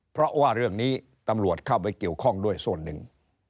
เพราะว่าเรื่องนี้ตำรวจเข้าไปเกี่ยวข้องด้วยส่วนหนึ่ง